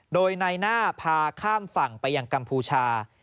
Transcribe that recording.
โดยนายหน้าพาข้ามฝั่งไปยังกัมพูชา